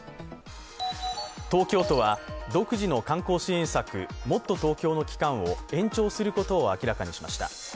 東京都は独自の観光支援策もっとＴｏｋｙｏの期間を延長することを明らかにしました。